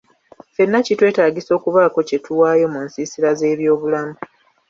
Ffenna kitwetaagisa okubaako kye tuwaayo mu nsiisira z'ebyobulamu.